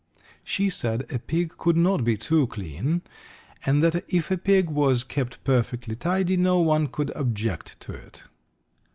She said a pig could not be too clean, and that if a pig was kept perfectly tidy no one could object to it.